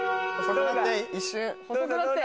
細くなって！